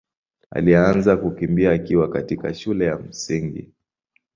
alianza kukimbia akiwa katika shule ya Msingi.